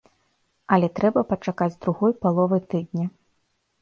Але трэба пачакаць другой паловы тыдня.